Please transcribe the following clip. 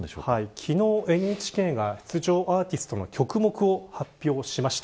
昨日、ＮＨＫが出場アーティストの曲目を発表しました。